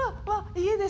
家です。